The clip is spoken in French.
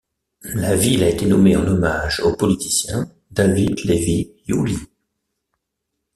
La ville a été nommée en hommage au politicien David Levy Yulee.